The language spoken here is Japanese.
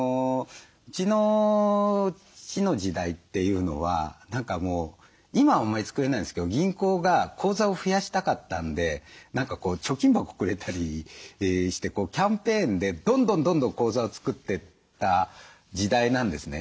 うちの父の時代っていうのは何かもう今はあんまり作れないんですけど銀行が口座を増やしたかったんで何か貯金箱くれたりしてキャンペーンでどんどんどんどん口座を作ってった時代なんですね。